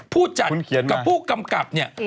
ผู้จัดกับผู้กำกับเนี่ย